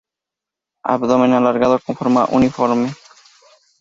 Abdomen alargado con forma uniforme.